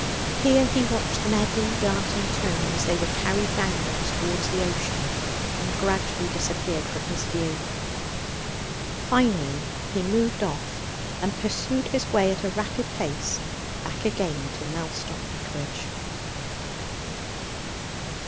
Here he watched them eddy, dart, and turn, as they were carried downwards towards the ocean and gradually disappeared from his view. Finally he moved off, and pursued his way at a rapid pace back again to Mellstock Vicarage.